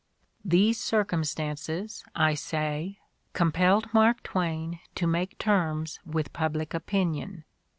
These circumstances, I say, compelled Mark Twain to make terms with public opinion.